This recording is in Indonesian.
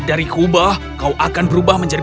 dari kubah kau akan berubah menjadi